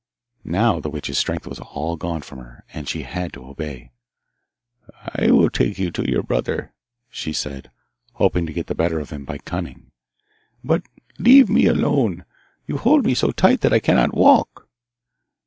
Now the witch's strength was all gone from her, and she had to obey. 'I will take you to your brother,' she said, hoping to get the better of him by cunning, 'but leave me alone. You hold me so tight that I cannot walk.